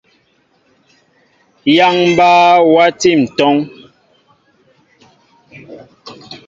Yááŋ mbaa wati ntúŋ.